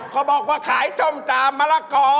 เขาบอกว่าขายส้มตำมะละกอ